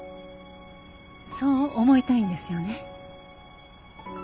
そう思いたいんですよね？